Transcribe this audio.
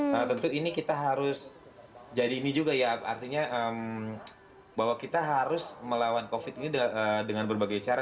nah tentu ini kita harus jadi ini juga ya artinya bahwa kita harus melawan covid ini dengan berbagai cara